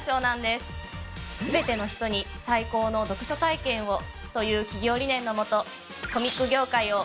「すべての人に最高の読書体験を。」という企業理念の下。